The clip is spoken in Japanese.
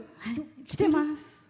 来てます。